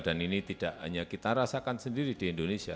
dan ini tidak hanya kita rasakan sendiri di indonesia